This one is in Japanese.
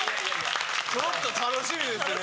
ちょっと楽しみですね。